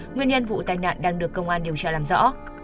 nguyên nhân vụ tai nạn đang được công an điều tra làm rõ